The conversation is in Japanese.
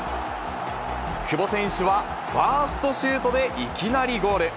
久保選手は、ファーストシュートでいきなりゴール。